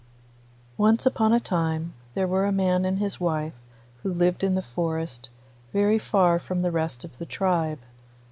Once upon a time there were a man and his wife who lived in the forest, very far from the rest of the tribe.